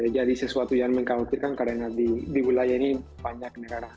jadi sesuatu yang mengkhawatirkan karena di wilayah ini banyak negara